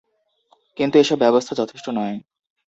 কিন্তু এসব ব্যবস্থা যথেষ্ট নয়।